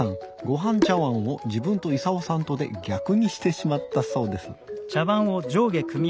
ごはん茶わんを自分とイサオさんとで逆にしてしまったそうです。